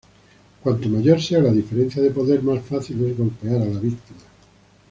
Cuanto mayor sea la diferencia de poder, más fácil es golpear a la víctima.